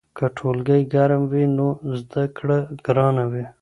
که ټولګی ګرم وي نو زده کړه ګرانه وي.